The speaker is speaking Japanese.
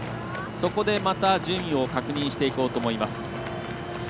そこで、また順位を確認していこうと思います。